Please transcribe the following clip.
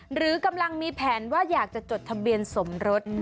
หรือกำลังมีแผนว่าอยากจะจดทะเบียนสมรส